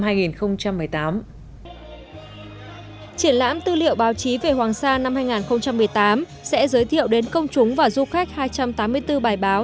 triển lãm tư liệu báo chí về hoàng sa năm hai nghìn một mươi tám sẽ giới thiệu đến công chúng và du khách hai trăm tám mươi bốn bài báo